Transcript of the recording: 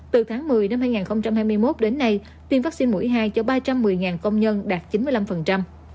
từ tháng một mươi năm hai nghìn hai mươi một đến nay tiêm vaccine mũi hai cho ba trăm một mươi công nhân đạt chín mươi năm